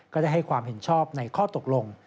ก็ได้ให้ความเห็นชอบในข้อตกลง